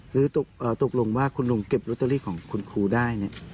หรือตกลงว่าคุณลุงเก็บลอตเตอรี่ของคุณครูได้เนี่ย